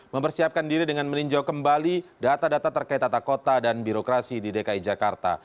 mempersiapkan diri dengan meninjau kembali data data terkait tata kota dan birokrasi di dki jakarta